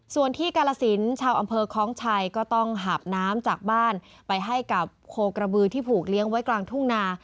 ส่วนที่กาลสินชาวอำเภอคล้องชัยก็ต้องหาบน้ำจากบ้านไปให้กับโคกระบือที่ผูกเลี้ยงไว้กลางทุ่งนา